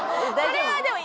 それはでも。